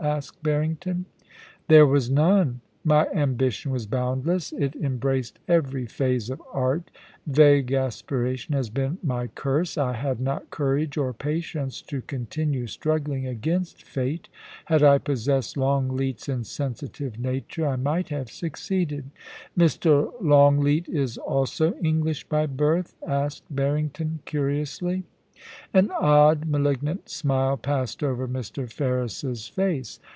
* asked Barrington. * There was none. My ambition was boundless ; it em braced every phase of art Vague aspiration has been my curse. I had not courage or patience to continue struggling against fate. Had I possessed Longleat's insensitive nature I might have succeeded.' * Mr. Longleat is also English by birth ?* asked Barring ton, curiously. An odd, malignant smile passed over Mr. Ferris's face.